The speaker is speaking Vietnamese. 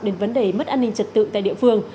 đến vấn đề mất an ninh trật tự tại địa phương